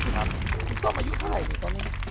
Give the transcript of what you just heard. ส้มอายุเท่าไหร่ตอนนี้